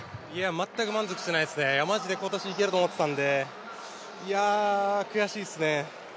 全く満足してないですね、マジで今年いけると思ってたんで、いや、悔しいですね。